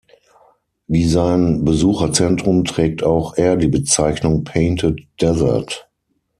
Wie sein Besucherzentrum trägt auch er die Bezeichnung "Painted Desert".